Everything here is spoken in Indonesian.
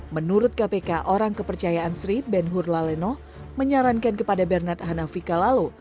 menurut kpk orang kepercayaan sri ben hurlaleno menyarankan kepada bernard hanafika lalu